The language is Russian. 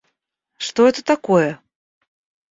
Что это такое?